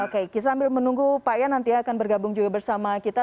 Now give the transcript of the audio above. oke kita sambil menunggu pak ya nanti akan bergabung juga bersama kita